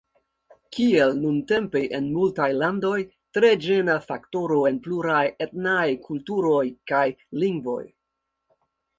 Kiel nuntempe en multaj landoj: tre ĝena faktoro en pluraj etnaj kulturoj kaj lingvoj?